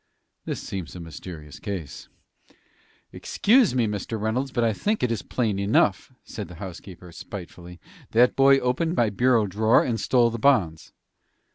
"This seems a mysterious case." "Excuse me, Mr. Reynolds, but I think it is plain enough," said the housekeeper, spitefully. "That boy opened my bureau drawer, and stole the bonds."